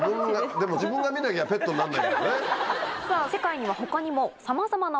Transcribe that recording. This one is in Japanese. でも自分が見なきゃペットになんないけどね。